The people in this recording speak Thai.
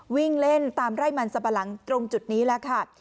วิ่งเล่นตามไร่มันสับปะหลังตรงจุดนี้แล้วค่ะ